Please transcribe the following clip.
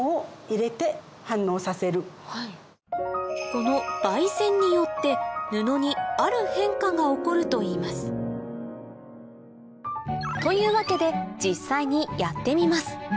この媒染によって布にある変化が起こるといいますというわけで実際にやってみます